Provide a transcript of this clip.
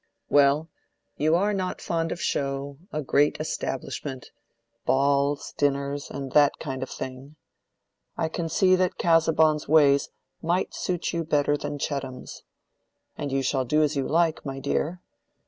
"Well, you are not fond of show, a great establishment, balls, dinners, that kind of thing. I can see that Casaubon's ways might suit you better than Chettam's. And you shall do as you like, my dear.